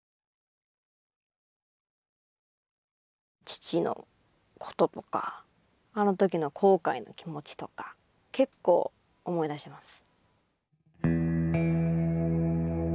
父のこととかあの時の後悔の気持ちとか結構思い出します。